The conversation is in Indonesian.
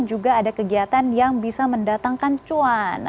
juga ada kegiatan yang bisa mendatangkan cuan